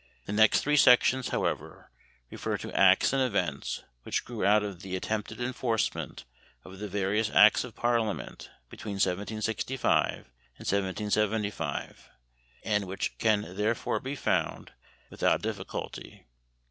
The next three sections, however, refer to acts and events which grew out of the attempted enforcement of the various acts of parliament between 1765 and 1775 and which can therefore be found without difficulty.